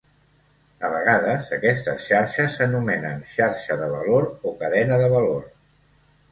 A vegades, aquestes xarxes s'anomenen xarxa de valor o cadena de valor.